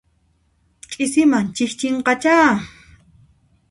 Ch'isiman chikchinqachá.